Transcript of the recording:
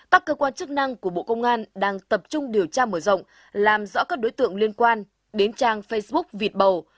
các cơ quan chức năng của bộ công an đang tập trung điều tra mở rộng làm rõ các đối tượng liên quan đến trang facebook vịt bầu